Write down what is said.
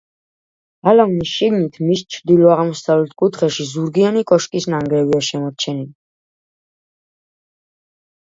გალავნის შიგნით, მის ჩრდილო-აღმოსავლეთ კუთხეში ზურგიანი კოშკის ნანგრევია შემორჩენილი.